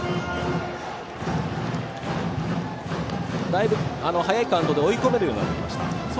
だいぶ早いカウントで追い込めるようになってきました。